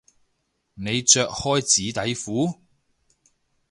你着開紙底褲？